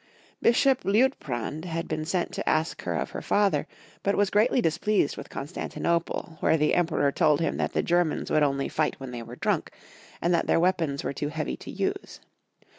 Bishop Liutprand had been sent to ask her of her father, but was greatly dis pleased with Constantinople, where the Emperor told him that the Germans would only fight when they were drunk, and that their weapons were too heavy to use.